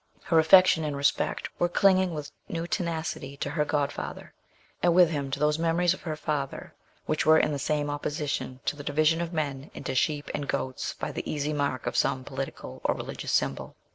Her affection and respect were clinging with new tenacity to her godfather, and with him to those memories of her father which were in the same opposition to the division of men into sheep and goats by the easy mark of some political or religious symbol.